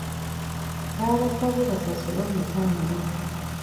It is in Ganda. Baabasabye basasule omutango.